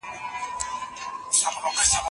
ایا دولت د اقتصادي ودي لپاره پلان لري؟